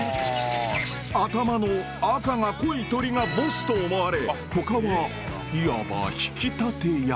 頭の赤が濃い鳥がボスと思われ他はいわば引き立て役。